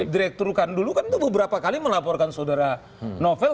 direktur kan dulu kan itu beberapa kali melaporkan saudara novel